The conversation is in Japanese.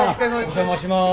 お邪魔します。